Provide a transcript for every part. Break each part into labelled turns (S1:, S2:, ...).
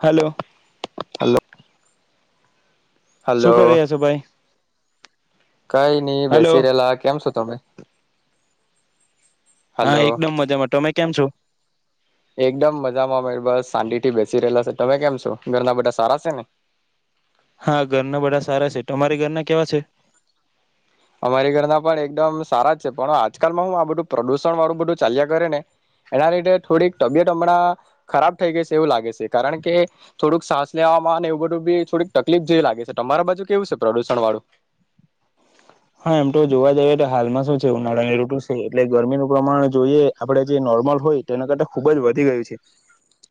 S1: Hello.
S2: Hello.
S1: શું કરી
S2: hello
S1: રહ્યા છો ભાઈ?
S2: કઈ નઈ
S1: હલો
S2: બેસી રહેેલા કેમ છો તમે.
S1: હા
S2: હલો
S1: એકદમ મજામાં તમે કેમ છો?
S2: એકદમ મજામાં મે બસ શાં થી બેસી રહેલા છે તમે કેમ છો ઘરના બધા સારા છે ને?
S1: હા ઘરના બધા સારા છે તારી ઘરના કેવા છે?
S2: અમારી ઘરના પણ એકદમ સારા જ છે પણ આજકાલમાં હું આ બધું પ્રદુષણ વાળું બધું ચાલ્યા કરે ને, એના લીધે થોડીક તબિયત હમણાં, ખરાબ થઈ ગઈ છે એવું લાગે છે કારણ કે થોડુંક સાસ લેવામાં અને એવું બધું બી થોડીક તકલીફ જેવી લાગે છે તમારા બાજુ કેવું છે પ્રદુષણ વાળું?
S1: હા એમ તો જોવા જઈએ તો હાલમાં શું છે ઉનાળાની રઋતુ છે એટલે ગરમીનું પ્રમાણ જોઈએ આપડણે જે નોર્મલ હોય તેના કરતા ખુબ જ વધી ગયું છે,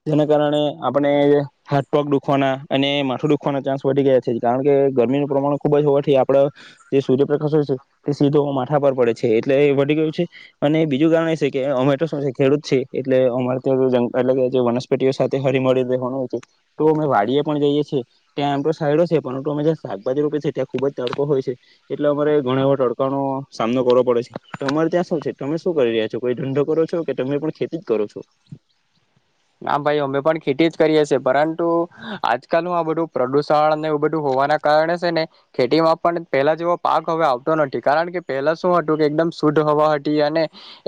S1: જેના કારણે આપણે હાથપગ દુખવાના અને માથું દુખવાના ચાન્સ વધી ગયા છે કારણ કે ગરમીનું પ્રમાણ ખુબ જ હોવાથી આપડ. સૂર્યપ્રકાશ હોય છે તે સીધો માઠા પર પડે છે એટલે એ વી ગયું છે, અને બીજું કારણ એ છે કે અમે તો શું છે ખેડૂત છે એટલે અમારે ત્યાં એટલે કે જે વનસ્પતિઓ સાથે હરી મળી રહેવાનું હોય છે, તો અમે વાડી પણ જઈએ છએ ત્યાંમ તો સાઈડો છે પરંતુ અમે્યાં શાકભાજી રોપી છે ત્યાં ખુબ જ તડકો હોય છે. એટલે અમારે ઘણા એવાો અડકાણો સામનો કરવો પડે છે, તો અમારે ત્યાં શું છે તમે શું કરી રહ્યા છો કોઈ ધંંધો કરો છો કે તમે પણ ખેતી જ કરો છો?
S2: ના ભાઈ અમે પણ ખેતી જ કરીએ છીએ પરંતુ, આજકાલનું આ બધું પ્રદુષણને એવું બધું હોવાના કારણે છે ને, ખેતીમાં પણ પહેલા જેવો પાક હવે આવતો નથી કારણ કે પહેલા શું હતું કે એકદમ શુદ્ધ હવા હતી અને,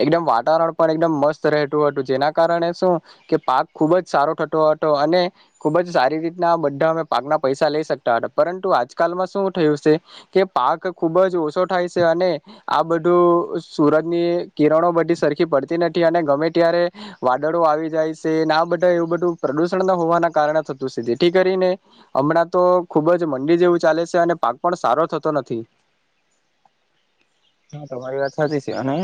S2: એકદમ વાતાવરણ પણ એકદમ મસ્ત રહેતું હતું જેના કારણે શું કે પાક ખુબ જ સારો થતો હતો અને, ખુબ જ સારી રીતના બધા અમે પાકના પૈસા લઈ શકતા હતા પરંતુ આજકાલમાં શું થયું છે, કે પાક ખુબ જ ઓછો થાય છે અને, આ બધું સુરજની કિરણો બધી સરખી પડતી નથી અને ગમે ત્યારે, વાદળો આવી, જાય છે ના બધા એવું બધું પ્રદુષણ ના હોવાના કારણે થતું છે જેથી કરીને, હમણાં તો ખુબ જ મંડી જેવું ચાલે છે અને પાક પણ સારો થતો નથી.
S1: હા તમારી વાત સાચી છે અને,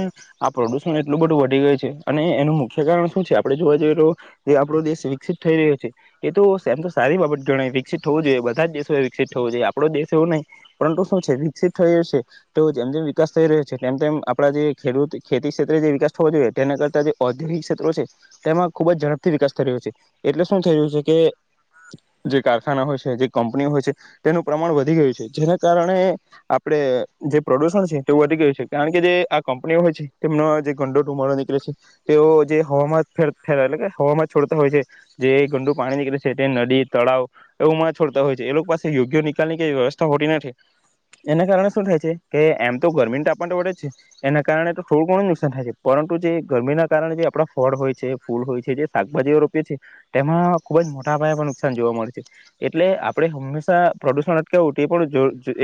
S1: આ પ્રદુષણ એટલું બધું વધી ગયું છે અને એનું મુખ્ય કારણ શું છે આપડે જોવા જઈએ, તો જે આપડો દેશ વિકસિત થઈ રહ્યો છે, એ તો,, એમ તો સારી બાબત ગણાય વિકસિત થવું જોઈએ બધા જ દેશોએ વિકસિત થવું જોઈએ આપડો દેશ એવું નહીં, પરંતુ શું છે, વિકસિત થય છેવ વિકાસ થઈ રહ્યો છે તેમ તેમ આપડા જે ખેડૂત ખેતી ક્ષેત્રે જે વિકાસ થવો જોઈએ તેના કરતાં જે ઔદ્યોગિક ક્ષેત્રો છે, તેમાં ખુબ જ ઝડપથી વિકાસ થઈ રહ્યો છે, એટલે શું થઈ રહ્યું છે કે જે કારખાના હોય છે જે કંપની હોય છે, તેનું પ્રમાણ વધી ગયું છે જેના કારણે આપણે જે પ્રદૂષણ છે. વ કારણ કે જે આ કંપનીઓ હોય છે, તેમનો જે ગંડો ધુમડો નીકળે છે, તેઓ જે હવામાં એટલે કે હવામાં છોડતા હોય છે, જે ગંડું પાણી નીકળે છે તે નદી તળાવ, એવુંમાં છોડતા હોય છે એ લોકો પાસે યોગ્ય નિકાલની કઈ વ્યવસ્થા હોતી નથી, એના કારણે શું થાય છે કેમ તો ગરમી ટાપા વડે જ છે, એના કારણે તો થોડું ઘણું નુકસાન થાય છે પરંતુ જે ગરમીના કારણે જે આપણા ફળ હોય છે ફૂલ હોય છે જે શાકભાજીઓ રોપીએ છીએ, તેમાં ખુબ જ મોટા પાયેમાં નુકસાન જોવા મળે છે, એટલે આપણે હંમેશા પ્રદુષણ અટકું એ પણ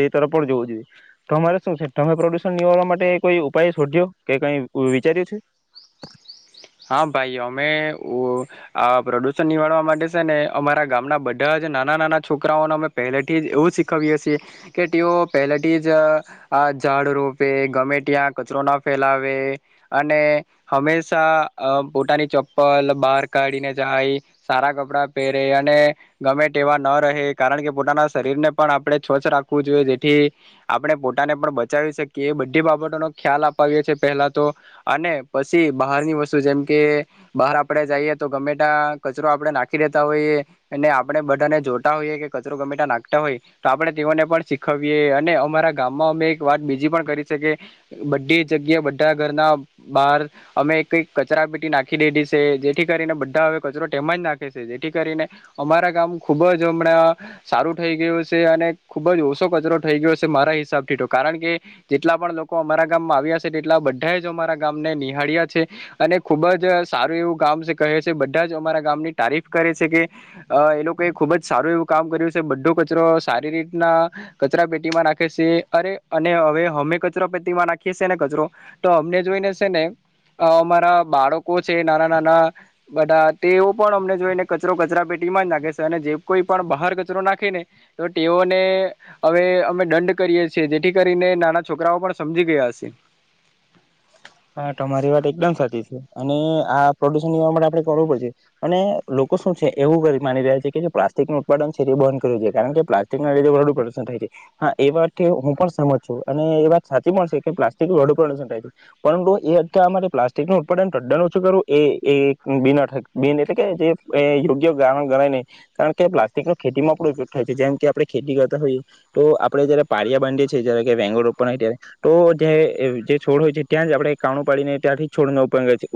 S1: એ તરફ પણ જોવું જોઈએ, તો અમારે શું છે? તમે પ્રદુષણ નિવારવા માટે કોઈ ઉપાય શોધ્યો કે કઈ વિચાર્યું છે?
S2: હા ભાઈ અમે આ પ્રદૂષણ નિવાડવા માટે છે ને અમારા ગામના બધા જ નાના નાના છોકરાઓને અમે પહેલેથી જ એવું શીખવીએ છીએ કે, તેઓ પહેલેથી જ આ ઝાડ રોપે ગમે ત્યાં કચરો ના ફેલાવે, અને હંમેશા અ પોતાની ચપ્પલ બહાર કાઢીને જાય, સારા કપડાં પહેરે અને ગમે તેવા ન રહે કારણ કે પોતાના શરીરને પણ આપણે સ્વછ રાખવું જોઈએ જેથી, આપણે પોતાને પણ બચાવી શકીએ એ બધી બાબતોનો ખ્યાલ અપાવીએ છીએ પહેલા તો, અને પછી બહારની વસ્તુ જેમ કે, બહાર આપડે જઈએ તો ગમેટ કચરો આપણે નાખી રેતા હોઈએ, અને આપણે બધાને જોતા હોઈએ કે કચરો ગમેટ નાખતા હોય, તો આપણે તેઓને પણ શીખવીએ અને અમારા ગામમાં અમે એક વાત બીજી પણ કરી શકી, બધી જગ્યા બધા ઘરના બહાર અમે કંઈક કચરા પેટી નાખી દેધી છે જેથી કરીને બધા હવે કચરો તેમાં જ નાખે છે જેથી કરીને, અમારા ગામ ખૂબ જ હમણાં, સારું થઈ ગયું છે અને ખૂબ જ ઓછો કચરો થઈ ગયો છે, મારા હિસાબથી તો કારણ કે જેટલા પણ લોકો અમારા ગામમાં આવ્યા છે તેટલા બધા જ અમારા ગામને નિહાળ્યા છે. અને ખુબ જ સારું એવું ગામ છે કહે છે બધા જ અમારા ગામની તારીફ કરે છે કે, એ લોકોએ ખુબ જ સારું એવું કામ કર્યું છે બધો કચરો સારી રીતના, કચરા પેટીમાં નાખે છે અરે અને હવે અમે કચરા પેટીમાં નાખીએ છે ને કચરો, તો અમને જોઈને છે ને અમારા બાળકો છે નાના નાના, બધા તેઓ પણ અમને જોઈને કચરો કચરા પેટીમાં જ નાખે છે અને, જે કોઈ પણ બહાર કચરો નાખે ને તો તેઓને અવે અમે દંડ કરીએ છીએ જેથી કરીને નાના છોકરાઓ પણ સમજી ગયા હશે.
S1: હા તમારી વાત એકદમ સાચી છે અને આ પ્રદુષણ લેવા માટે આપણે કરવું પડશે, અને લોકો શું છે એવું માની રહ્યા છે કે જે પ્લાસ્ટિક નું ઉત્પાદન છે એ બંધ કરવું જોઈએ કારણ કે પ્લાસ્ટિક ના લીુ પ્રદુષણ થાય છે, હા એ વાત હું પણ સમજ છું અને એ વાત સાચી પણ છે કે પ્લાસ્ટિક પ્રદુષણ થાય છે. પરંતુ એ અરે પ્લાસ્ટિક ન ઉત્પાદન ટ્દન ઓછું કરવું એ બન બન એટલે કે જે યોગ્ય કારણ ગણાય નહી, કારણ કે પ્લાસ્ટિક ન ખેતીમાં પણ ઉપયોગ થાય છે, જેમ કે આપણે ખેતી કરતા હોઈએ તો આપડે જયારે પાળિયા બાંધએ છીએ જય કે વેંગોળપ્યારે તો જે જે છોડ હોય છે. ત્યાં જ આપણે કાણું પાડીને ત્યાંથી છોડ ન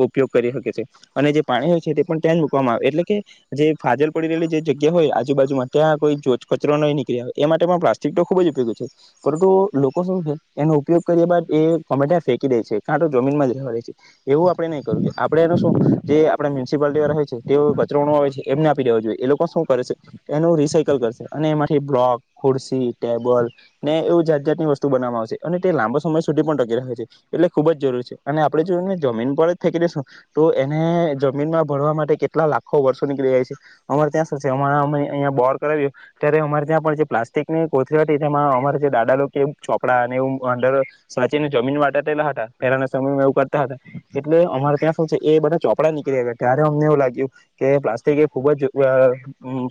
S1: ઉપયોગ કરી શકીએ, છેએ અને જે પાણી હોય છે તે પણ ત્યાં જ મૂકવામાં આવે એટલે, કે જે ફાજલ પડી રહેલી જે જગ્યા હોય આજુબાજુમાં ત્યાં કોઈ કચરો નહી નીકળી આવે એ માટે પણ પ્લાસ્ટિક તો ખુબ જ ઉપયોગી છે, પરંતુ લોકો શું છે એનો ઉપયોગ કર્યા બાદ એમેે કાં જમીનમાં જ રહેવા છે, એવું આપણે નહીં કરવ જોએ આપણે એનું શું જે આપે મ્યુનિસિપાલટી વાળ હોય છે તે કચરોનો હોય છે, એમને આપી દેવા જોઈએ એ લોકો શું કરે છે એનું રિસકલ કરશે અને એમાંથી બ્લોક ખુરસી ટેબલ, ને એવું જાત જાતની વસ્તુ બનાવામાં આવશે અને તે લાંબો સમય સુધી પણ ટકી રહે છે. એટલે ખુબ જ જરૂર છે અને આપડણે જોને જમીન પર જ ફેંકી દઈેશું તો એને જમીનમાં ભરવા માટે કેટલા લાખો વર્ષો નીકળી જાય છે અમારે ત્યાં અં બોર કરાવ્યો ત્યારે અમારે ત્યાં પણ જે પ્લાસ્ટિકની કોથરી હતી તેમાં અમારે જે દાદા લોકો ચોપડા અને એવું અંદર સાચવીને જમીન મા સમમાં એ કરતા હતા એટલે અમારે ત્યાં શું છે એ બધા ચોપડા નીકળ્યાતા ત્યારે અમને એવું લાગ્યું કે પ્લાસ્ટિક એ ખુબ જ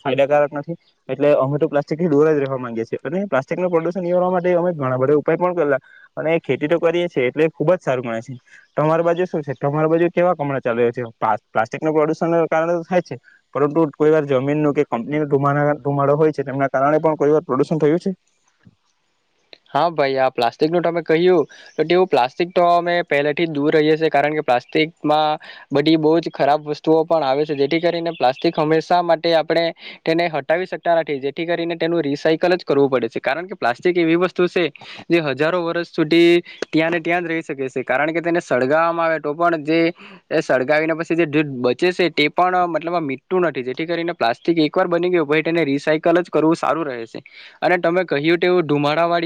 S1: ફાયદાકારક નથી એટલે અમે તો પ્લાસ્ટિક થી દૂર જ રહેવા માંગીએ છીએ અને પ્લાસ્ટિક નું પ્રદુષણ નિવારવા માટે અમે ઘણા બધા ઉપાય પણ કરેલા અને ખેતી તો કરીએ. એટલે એ ખુબ જ સારું માને છે. તમારી બાજુ શું છે તમારી બાજુ કેવા કામડા ચાલી રહ્યા છે પ્લાસ્ટિક નું પ્રદુષણ કારણે થાય છે પરંતુ કોઈ વાર જમીનનું કે કંપની ના ધુમાડો હોય છે તેમના કારણે પણ કોઈ વાર પ્રદુષણ થયું છે.
S2: હા ભાઈ આ પ્લાસ્ટિક નું તમે કહ્યું તો તેવું પ્લાસ્ટ પ્લાસ્ટિક તો અમે પહેલાથી જ દૂર રહીએ છીએ કારણ કે પ્લાસ્ટિકમાં બધી બહુ જ ખરાબ વસ્તુઓ પણ આવે છે જેથી કરીને પ્લાસ્ટિક હંમેશા માટે આપણે તેને હટાવી શકતા નથી જેથી કરીને તેનું રિસાયકલ જ કરવું પડે છે કારણ કે પ્લાસ્ટિક એવી વસ્તુ જે હજારો વર્ષ સુધી ત્યાંને ત્યાં જ રહી શકે છે કારણ કે તેને સળગાવવામાં આવે તો પણ જે સળગાવીને પછી જે બચે છે તે પણ મતલબ આ મીઠું નથી જેથી કરીને પ્લાસ્ટિક એકવાર બની ગયું પછી તેને રિસાયકલ જ કરવું સારું રહે છે અને તમે કહ્યું કેવ ધુમાડાવા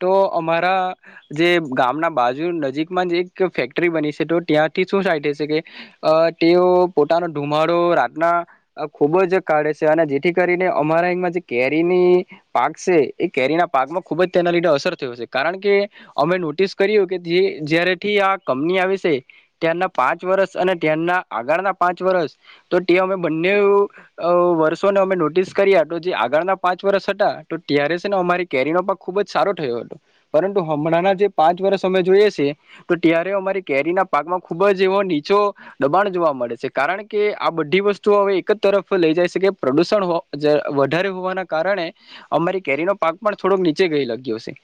S2: તો અમારા જે ગામના બાજુ નજીકમાં જ એક ફેક્ટરી બની છે તો ત્યાંથી શું સાાય થ કે તેઓ પોતાનો ધુમાડો રાતના ખુબ જ કાઢે છે અને જેથી કરીને અમારા અમાં જે કેરીની પાક છે એ કેરીના પાકમાં ખૂબ જ તેના લીધે અસર થયો છે કારણ કે અમે નોટિસ કર્યું કે જે જારેથી આ કંપની આવી છે ત્યાંના પાંચ વર્ષ અને ત્યાના આગળના પાંચ વર્ષ તો તે અમે બંને વર્ષોને અમે નોટિસ કર્યા તો જે આગળના પાંચ વર્ષ હતા તો ત્યારે છે ને અમારી કેરીનો પ ખુબ જ સારો થયો હતો પરંતુ હમણાંના જે પાંચ વર્ષ અમે જોઈએ છેએ તો ત્યારે અમારી કેરીના પાકમાં ખુબ જ એવો નીચો દબાણ જોવા મળે છે કારણ કે આ બધી વસ્તુ હવે એક જ તરફ લઇ જાય છે કે પ્રદુષણ વધારે હોવાના કારણે અમારી કેરીનો પાક પણ થોડોક ચ ગઈ લગ્યો છે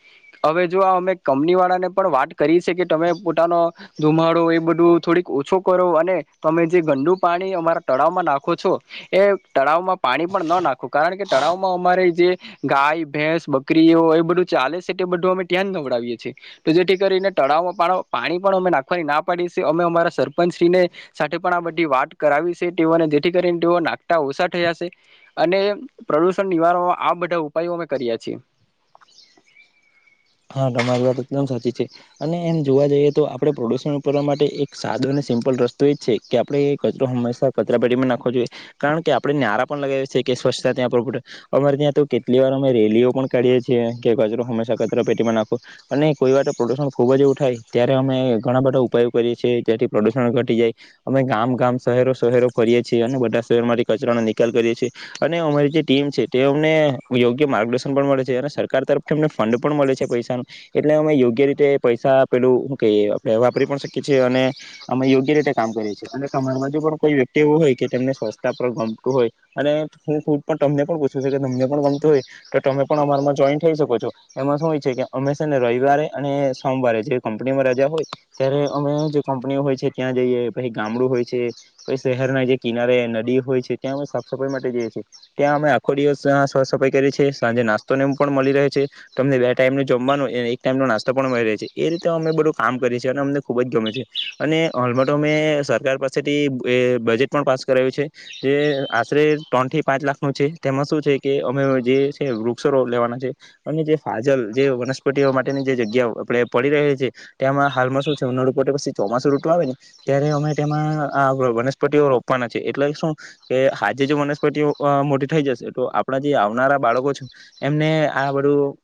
S2: હવે જો આ અમે કંપની વાળા ને પણ વાત કરી છે કે તમે પોતાનો ધુમાડો એ બધું થોડીક ઓછો કરો અને તમે જે ગંદુ પાણી અમારા તળાવમાં નાખો છો એ તળાવમાં પાણી પણ ન નાખો કારણ કે તળાવમાં અમારે જે ગાય ભેંસ બ એ બધું ચાલે છે તે બધું અમે ત્યાં નવડાવીએ છીએ તો જેથી કરીને તળાવમાં પાણી પણ અમે નાખવાની ના પાડીએી અમે અમારા સરપંચ શ્રીને સાથે પણ આ બધી વાત કરાવી છે તેઓને જેથી કરીને તેઓ નાખતા ઓછા થયા છે અને પ્રદુષણ નિવારણમાં આ બધા ઉપાયો અમે કર્યા છીએ.
S1: હા તમારી વાત એકદમ સાચી છે અને એમ જોવા જઈએ તો આપડણે પ્રદુષણરવા માટે એક સાદો અને સિમ્પલ રસ્તો એ જ છે કે આપણેે કચરો હંમેશા કચરા પેટીમાં નાખવો જોઈએ કારણ કે આપડણે નારા પણ લગાવી છી કે સ્વચ્છતા ત્યાં પ્ર અમારે ત્યાં તો કેટલી વાર અમે રેલીઓ પણ કાઢએ છીએ કે કચરો હંમેશા નાખો અને કોઈ વા પ્રદુષણ ખુબ જ ઉઠાય ત્યારે અમે ઘણા બધા ઉપાયો કરીએ છીએ ત્યાંથી પ્રદુષણ ઘટી જાય અમે ગામ ગામ શહેરો શહેરો ફરીએ છીએ અને બધા શહેરો માંથી કચરાનો નિકાલ કરીએ છીએ અને અમારી જે ટીમ છે તે અમને યોગ્ય માર્ગદર્શન પણ મળે છે અને સરકાર તરફથી અને ફંડ. પણ મળે છે પૈસા ન એટલે અમે યોગ્ય રીતે પૈસા પેલું આપ વાપરી પણ શકીએ છીએ અને અમે યોગ્ય રીતે કામ કરીએ છીએ અને તમારા માં જો પણ કોઈ વ્યક્તિ એવ હોય કે તેમને સ્વચછતા ગમતું હોય અને હું ખ પણ તમને પણ પૂછું છું કે તમને પણ ગમતું હોય તો તમે પણ અમારમાં જોઈન થઈ શકો છો. એમાં શું હોય છે અમે છે ને રવિવારે અને સોમવારે જે કંપનીમાં રજા હોય ત્યારે અમે જે કંપનીઓ હોય છે ત્યાં જઈએ પછ ગામડું હોય છે પછી શહેરના જે કિનારે નદી હોય છે ત્યાં અ સાફ સફાઈ માટે જઈએ છએ ત્યાં અમે આખો દિવસ સાફ સફાઈ કરીએ છીએ સાજે નાસ્તો ને એ પણ મળી રહે છે. તમને બે ટાઈમ ન જમવાનું એક ટાઈમનોો નાસ્તો પણ મળી રહે છે એ રીતે અમે બધું કામ કરીએ છીએ અને અમને ખુબ જ ગમે છે અને હલમાં તો અમે સરકાર પાસેથી બજેટ પણ પાસ કરાયું છે જે આશરે ત્રણ થી પાંચ લાખ નું છે તેમાં શું છે કે અમે જે છે વૃક્ષોો લેવાના છે અને જે. ફાજલ જે વનસ્પતિઓ માટેની જે જગ્યા આપણે પડી ર છી તેમાં હાલમાં શું છે રૂપ પછી ચોમાસું રૂટું આવે ને ત્યારે અમે તેમાં આ વનસ્પતિઓ રોપવાના છે એટલે શું કે આજે જો વનસ્પતિઓ મોટી થઈ જશે તો આપણા જે આવનારા બાળકો છ એમને આ બધું.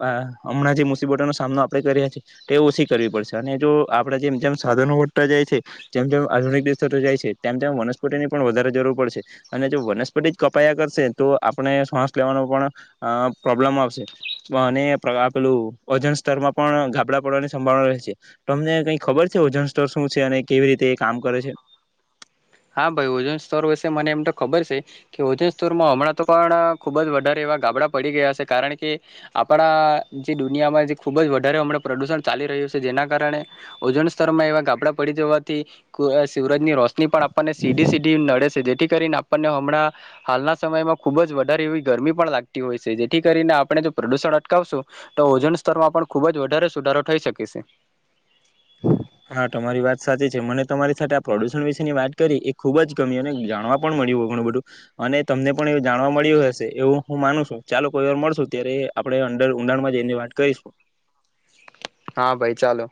S1: હમણાં જે મુસીબતોોનો સામનો આપણે કરી્યા છીએ એ ઓછી કરવી પડશે અને જો આપણે જેમ જેમ સાધનો વધતા જાય છે જેમ જેમ આધુનિક જાય છે તેમ તેમ વનસ્પતિની પણ વધારે જરૂર પડશે અને જો વનસ્પતિ જ કપાયા કરશે તો આપણે શ્વાસ લેવાનો પણ પ્રોબ્લમ આવશે અને. આપેલું વજન સ્તરમાં પણ ગાબડા પડવાની સંભાવના રહે છે તમને કઈ ખબર છે ઓજન સ્તર શું છે અને કેવી રીતે કામ કરે છે.
S2: હા ભાઈ ઓજન સ્તર વિશેે મને એમ તો ખબર છે કે ઓજન સ્તરમાં હમણાં તો પણ ખૂબ જ વધારે એવા ગાબડા પડી ગયા છે કારણ કે આપણા જે દુનિયામાં જે ખૂબ જ વધારે હમણાં પ્રદુષણ ચાલી રહ્યું છે જેના કારણે ઓજન સ્તરમાં એવા ગાબડા પડી જવાથી શિવરાજની રોશની. આપને સીધી સીધી નડે છે જેથી કરીને આપ. આપ હમણાં હાલના સમયમાં ખુબ જ વધારે એવી ગરમી પણ લાગતી હોય છે જેથી કરીને આપણે જો પ્રદુષણ અટકાવશું તો ઓજન સ્તરમાં પણ ખૂબ જ વધારે સુધારો થઈ શકે છે.
S1: હા તમારી વાત સાચી છે મને તમારી સાથે આ પ્રદુષણ વિશે ની વાત કરી એ ખુબ જ ગમી અને જાણવા પણ મળ્યું હોય ઘણું બધું અને તમને પણ એવ જાણવા મળ્યું હશે એવું હું માનું છું ચાલો કોઈ વાર મળશું ત્યારે આપણે અંદર ઉઊડાણમાં જઈને વાત કરીશું.
S2: હા ભાઈ ચાલો.